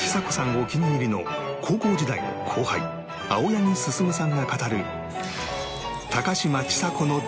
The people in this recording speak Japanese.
お気に入りの高校時代の後輩青柳晋さんが語る